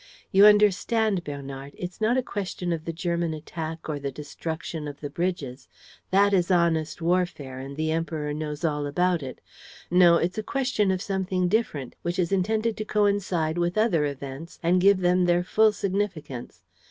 You understand, Bernard, it's not a question of the German attack or the destruction of the bridges: that is honest warfare and the Emperor knows all about it. No, it's a question of something different, which is intended to coincide with other events and give them their full significance.